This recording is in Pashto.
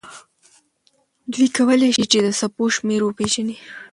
دوی کولی شي چې د څپو شمېر وپیژني.